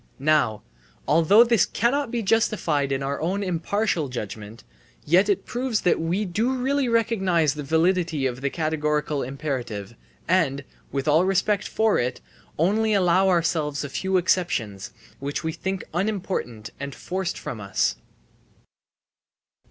Now, although this cannot be justified in our own impartial judgement, yet it proves that we do really recognise the validity of the categorical imperative and (with all respect for it) only allow ourselves a few exceptions, which we think unimportant and forced from us.